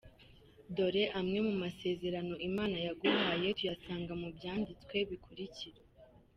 Dore amwe mu masezerano Imana yaguhaye tuyasanga mu byanditswe bikurikira:.